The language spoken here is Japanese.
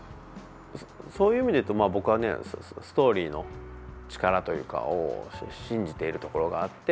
そういう意味でいうと僕はストーリーの力というかを信じているところがあって。